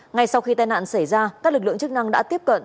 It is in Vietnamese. ngay sau khi tai nạn xảy ra các lực lượng chức năng đã tiếp cận